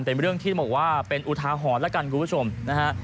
เป็นเรื่องที่ต้องบอกว่าเป็นอุทาหรณ์แล้วกันคุณผู้ชมนะฮะ